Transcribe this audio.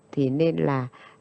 thì nên là năm mươi năm